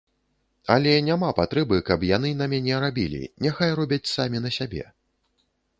Але няма патрэбы, каб яны на мяне рабілі, няхай робяць самі на сябе.